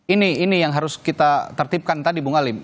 ini yang harus kita tertipkan tadi bung alim